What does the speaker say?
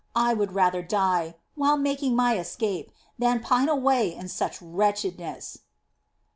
I would rather die, while making my escape, than pine away in such wretchedness."